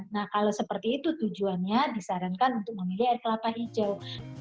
nah kalau seperti itu tujuannya disarankan untuk memilih air kelapa hijau